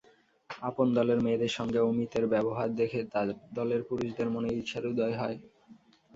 আপন দলের মেয়েদের সঙ্গে অমিতর ব্যবহার দেখে তার দলের পুরুষদের মনে ঈর্ষার উদয় হয়।